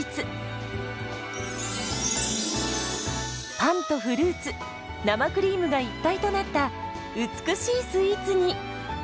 パンとフルーツ生クリームが一体となった美しいスイーツに。